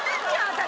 私。